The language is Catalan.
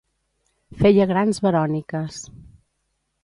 Feia grans veròniques.